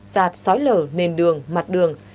sạt sói lở nền đường mặt đường